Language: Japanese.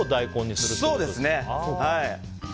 そうですね。